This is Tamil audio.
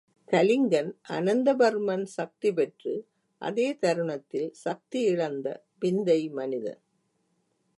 கலிங்கன் அனந்தவர்மன் சக்தி பெற்று, அதே தருணத்தில் சக்தியிழந்த விந்தை மனிதன்.